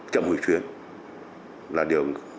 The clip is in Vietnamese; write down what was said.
chậm hủy chuyến là điều